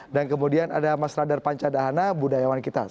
dan kemudian ada mas radar panca dahana budayawan kita